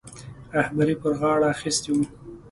رهبري پر غاړه اخیستې وه.